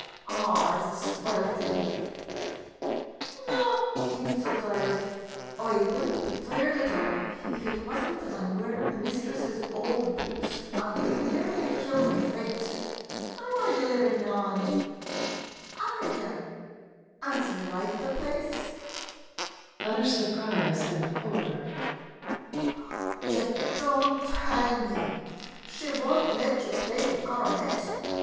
Oh — ut 's a swill t'ing ! No — ain't so tired — I would n't be tired at all if ut was n't that I 'm wearin' the mistress's ould boots, an' 59 MODERN MONOLOGUES they nearly kill me fate !— An' where 're ye livin' now, Annie ? Are ye ? An' d' ye loike the place? [Utter surprise and horror.] Ye don't tell me ? She won't let you play the coronet?